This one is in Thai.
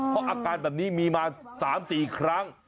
เพราะอาการแบบนี้มีมา๓๔ครั้ง